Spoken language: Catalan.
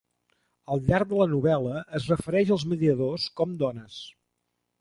Al llarg de la novel·la, es refereix als mediadors com dones.